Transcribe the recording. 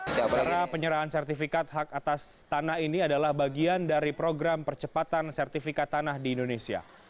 karena penyerahan sertifikat hak atas tanah ini adalah bagian dari program percepatan sertifikat tanah di indonesia